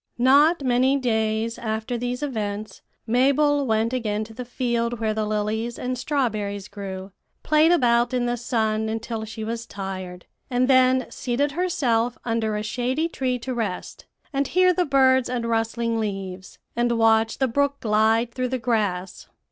"Not many days after these events, Mabel went again to the field where the lilies and strawberries grew, played about in the sun until she was tired, and then seated herself under a shady tree to rest, and hear the birds and rustling leaves, and watch the brook glide through the grass.